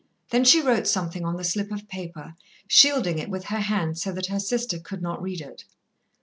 Then she wrote something on the slip of paper, shielding it with her hand so that her sister could not read it.